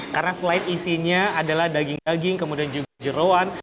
karena selain isinya adalah daging daging kemudian juga jeruan